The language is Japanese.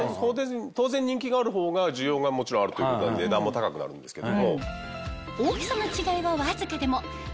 当然人気がある方が需要がもちろんあるということなんで値段も高くなるんですけれども。